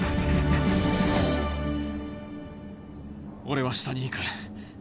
俺は下に行く。